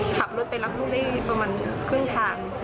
ขับรถไปละเค้าก็ได้ประมาณคึ่งทาง